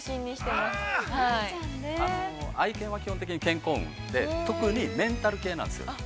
◆愛犬は、基本的に健康運で特にメンタル系なんですよ。